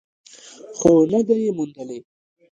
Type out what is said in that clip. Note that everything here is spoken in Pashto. خو نه ده یې موندلې.